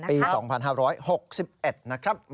ปี๒๕๖๑นะครับ